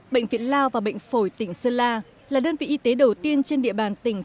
bệnh viện lao và bệnh phổi tỉnh sơn la là đơn vị y tế đầu tiên trên địa bàn tỉnh